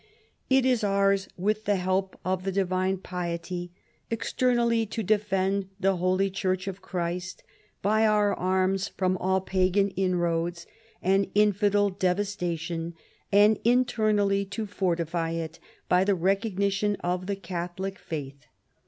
" It is ours with the help of the divine piety externally to defend the Holy Church of Christ by our arms from all pagan inroads and in fidel devastation, and internally to fortify it by the recognition of the Catholic faith.